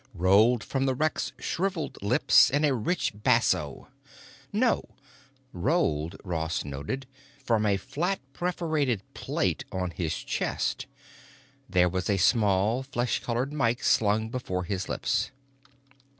rolled from the wreck's shriveled lips in a rich basso—no; rolled, Ross noted, from a flat perforated plate on his chest. There was a small, flesh colored mike slung before his lips.